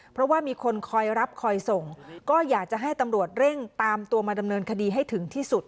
เพราะว่ามีคนคอยรับคอยส่งก็อยากจะให้ตำรวจเร่งตามตัวมาดำเนินคดีให้ถึงที่สุด